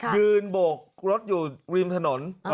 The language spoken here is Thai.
โบกรถอยู่ริมถนน